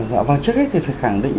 dạ và trước hết thì phải khẳng định